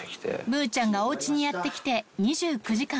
むぅちゃんがおうちにやって来て２９時間。